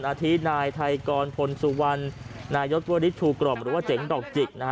อาทินายไทยกรพลสุวรรณนายศวริชชูกล่อมหรือว่าเจ๋งดอกจิกนะฮะ